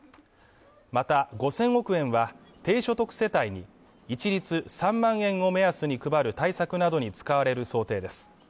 また、５０００億円は低所得世帯に一律３万円を目安に配る対策などに使われる想定です。